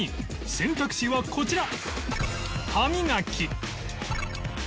選択肢はこちら